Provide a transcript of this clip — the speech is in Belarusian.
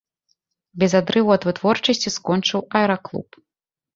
Без адрыву ад вытворчасці скончыў аэраклуб.